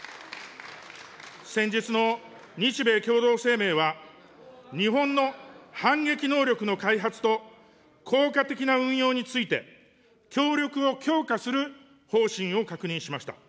先日の日米共同声明は、日本の反撃能力の開発と効果的な運用について、協力を強化する方針を確認しました。